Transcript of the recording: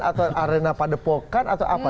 atau arena padepokan atau apa